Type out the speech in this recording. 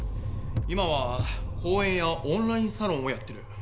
今は講演やオンラインサロンをやってる。